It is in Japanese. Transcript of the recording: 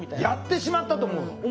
「やってしまった」と思うの？